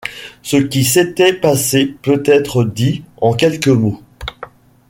Ce qui s’était passé peut être dit en quelques mots.